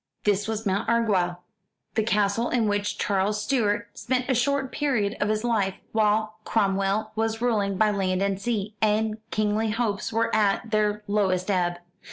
This was Mount Orgueil, the castle in which Charles Stuart spent a short period of his life, while Cromwell was ruling by land and sea, and kingly hopes were at their lowest ebb.